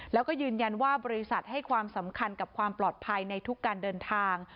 แล้วก็ยืนยันว่าบริษัทให้ความสำคัญกับความปลอดภัยในทุกการเดินทาง